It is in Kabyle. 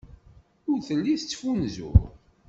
Ur telli tettfunzur.